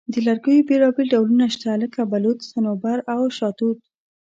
د لرګیو بیلابیل ډولونه شته، لکه بلوط، صنوبر، او شاهتوت.